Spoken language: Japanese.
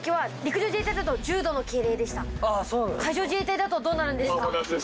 海上自衛隊だとどうなるんですか？